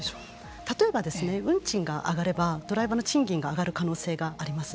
例えば運賃が上がればドライバーの賃金が上がる可能性があります。